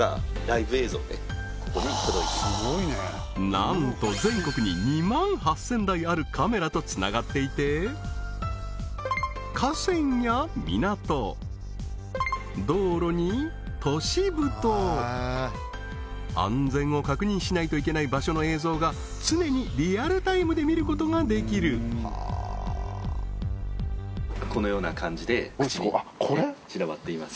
なんと全国に２万８０００台あるカメラとつながっていて安全を確認しないといけない場所の映像が常にリアルタイムで見ることができるこのような感じで各地に散らばっています